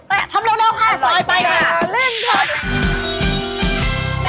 ไปทำเร็วค่ะซอยไปค่ะ